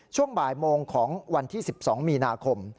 ช่วงบ่ายโมงของวันที่๑๒มีนาคม